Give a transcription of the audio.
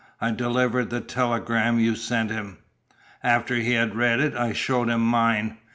I delivered the telegram you sent him. After he had read it I showed him mine.